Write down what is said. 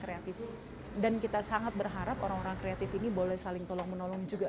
kreatif dan kita sangat berharap orang orang kreatif ini boleh saling tolong menolong juga